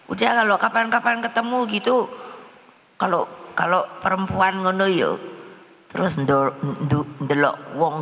udah kalau kapan kapan ketemu gitu kalau kalau perempuan ngonoyo terus delok wong